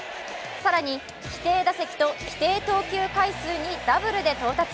更に規定打席と規定投球回数にダブルで到達。